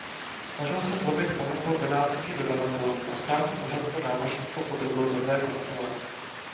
Snažil se zlomit monopol benátských dodavatelů a správní úřad pro námořnictvo podrobil tvrdé kontrole.